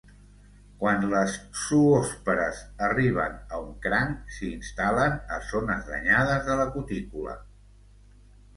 Quan les zoòspores arriben a un cranc, s'instal·len a zones danyades de la cutícula.